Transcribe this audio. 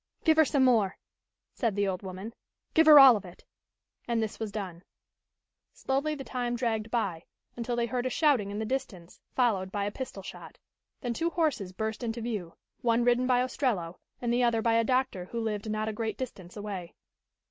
"Give her some more," said the old woman. "Give her all of it," and this was done. Slowly the time dragged by, until they heard a shouting in the distance, followed by a pistol shot. Then two horses burst into view, one ridden by Ostrello, and the other by a doctor who lived not a great distance away.